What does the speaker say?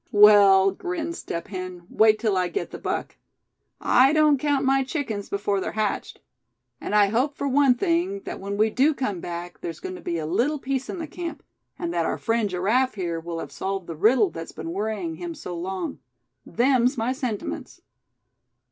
"Well," grinned Step Hen, "wait till I get the buck. I don't count my chickens before they're hatched. And I hope for one thing that when we do come back, there's going to be a little peace in the camp; and that our friend Giraffe here, will have solved the riddle that's been worrying him so long. Them's my sentiments."